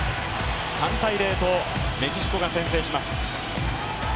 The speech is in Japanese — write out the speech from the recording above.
３−０とメキシコが先制します。